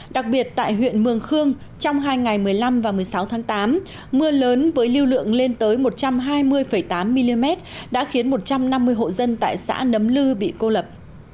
đặc biệt tại huyện mường khương trong hai ngày một mươi năm và một mươi sáu tháng tám mưa lớn với lưu lượng lên tới một trăm hai mươi tám mm đã khiến một trăm năm mươi hộ dân tại xã nấm lư bị cô lập